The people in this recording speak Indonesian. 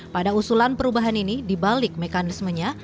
pada usulan perubahan ini dibalik mekanismenya